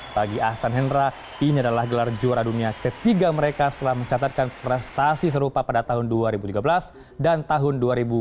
bagi ahsan hendra ini adalah gelar juara dunia ketiga mereka setelah mencatatkan prestasi serupa pada tahun dua ribu tiga belas dan tahun dua ribu dua puluh